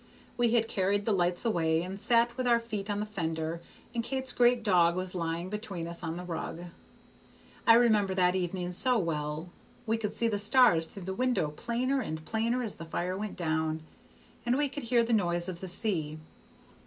We had carried the lights away, and sat with our feet on the fender, and Kate's great dog was lying between us on the rug. I remember that evening so well; we could see the stars through the window plainer and plainer as the fire went down, and we could hear the noise of the sea.